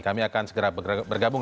kami akan segera bergabung